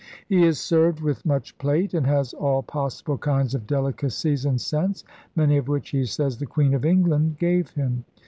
*He is served with much plate and has all possible kinds of delicacies and scents, many of which he says the Queen of England gave him.